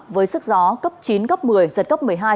với sức gió cấp chín cấp một mươi giật cấp một mươi hai